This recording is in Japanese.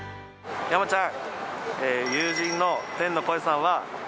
山ちゃん。